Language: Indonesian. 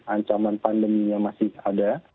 ancaman pandeminya masih ada